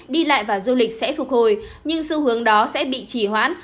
đi lại và du lịch sẽ phục hồi nhưng xu hướng đó sẽ bị chỉ hoãn